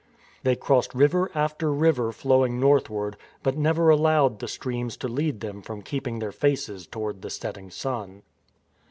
They crossed river after river flowing northward, but never allowed the streams to lead them from keep ing their faces toward the setting sun.